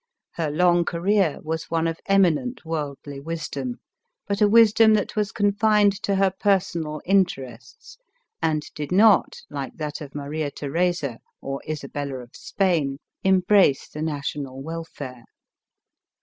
Her long career was one of eminent worldly wisdom, but a wisdom that was confined to her personal interests and did not, like thtet of Maria Theresa or Isabella of Spain, em brace the national welfare.